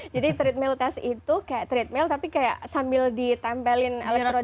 jadi treatment test itu kayak treatment tapi kayak sambil ditempelin elektroda